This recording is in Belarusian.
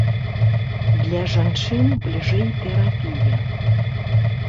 Для жанчын бліжэй тэрапія.